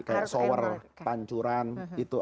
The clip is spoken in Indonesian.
kayak shower pancuran itu